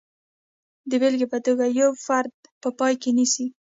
د بېلګې په توګه یو فرد په پام کې نیسو.